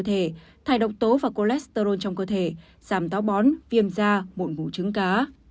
thể thải độc tố và cholesterol trong cơ thể giảm táo bón viêm da mụn ngủ trứng cá